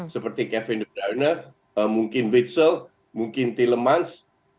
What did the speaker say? seperti kevin de bruyne mungkin witzel mungkin tielemans